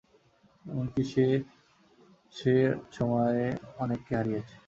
এমনকি, সে সে সময়ে অনেককে হারিয়েছে।